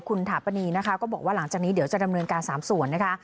คุณถาปนีนะคะก็บอกว่าหลังจากนี้เดี๋ยวจะดำเนินการ๓ส่วนนะคะ